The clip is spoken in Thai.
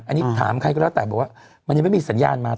อันนี้ถามใครก็แล้วแต่บอกว่ามันยังไม่มีสัญญาณมา